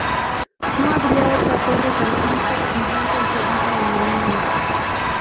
No habría otra torre tan única y bien concebida en el mundo".